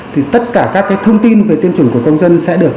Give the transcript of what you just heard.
thì tất cả các thông tin về tiêm chủng của công dân sẽ được